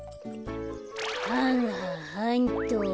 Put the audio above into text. はんはんはんと。